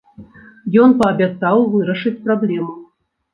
Ён паабяцаў вырашыць праблему.